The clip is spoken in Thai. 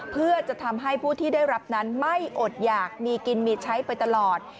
เพื่อจะทำให้ผู้ที่ได้รับนั้นไม่อดอยากมีกินมีใช้ไปตลอด